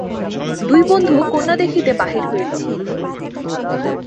দুই বন্ধু কন্যা দেখিতে বাহির হইল।